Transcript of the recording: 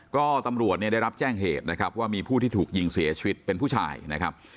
ก็ตำรวจเนี่ยได้รับแจ้งเหตุนะครับว่ามีผู้ที่ถูกยิงเสียชีวิตเป็นผู้ชายนะครับ